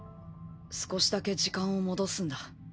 少しだけ時間を戻すんだ。